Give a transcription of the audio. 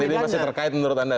ini masih terkait menurut anda